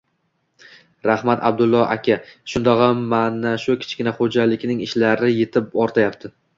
— Rahmat Abdulla aka! Shundog‘am mana shu kichkina xo‘jalikning ishlari yetib-ortayapti.